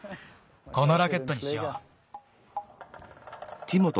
このラケットにしよう。